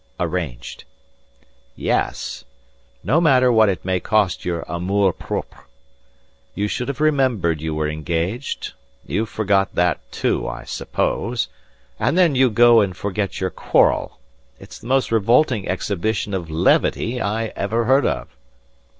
"Arranged." "Yes. No matter what it may cost your amour propre. You should have remembered you were engaged. You forgot that, too, I suppose. And then you go and forget your quarrel. It's the most revolting exhibition of levity I ever heard of."